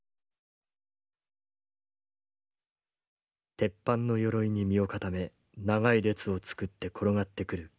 「鉄板の鎧に身を固め長い列を作って転がってくる機械。